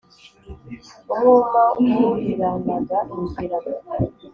umwuma wuriranaga ingira